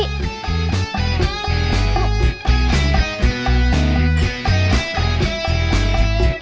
aku mau ke rumah aku mau ke rumah